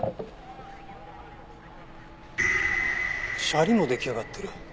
シャリも出来上がってる。